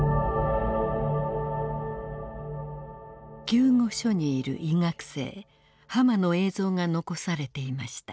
救護所にいる医学生濱の映像が残されていました。